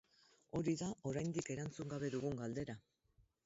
Hori da oraindik erantzun gabe dugun galdera.